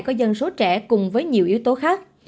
có dân số trẻ cùng với nhiều yếu tố khác